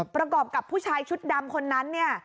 ประกอบกับผู้ชายชุดดำคนนั้นเนี่ย